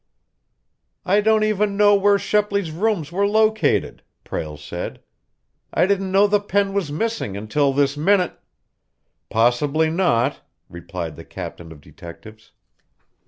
"I don't even know where Shepley's rooms were located," Prale said. "I didn't know the pen was missing until this minute " "Possibly not," replied the captain of detectives.